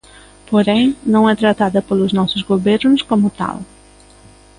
Porén, non é tratada polos nosos gobernos como tal.